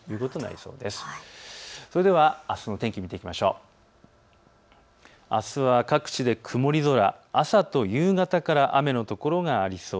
それでは、あすの天気を見ていきましょう。